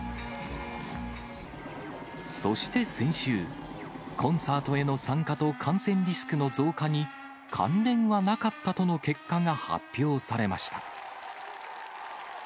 そして先週、コンサートへの参加と感染リスクの増加に関連はなかったとの結果が発表されました。